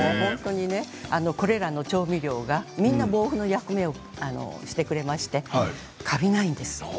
これらの調味料が防腐の役をしてくれましてかびないんです。